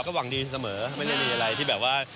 หวังดีเสมอไม่ได้มีอะไรที่แบบว่า